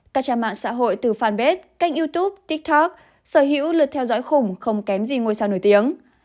các trang mạng xã hội từ fanpage kênh youtube tiktok sở hữu lượt theo dõi khủng không kém gì ngôi sao nổi tiếng